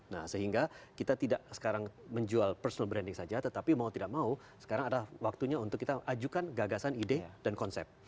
nah sehingga kita tidak sekarang menjual personal branding saja tetapi mau tidak mau sekarang adalah waktunya untuk kita ajukan gagasan ide dan konsep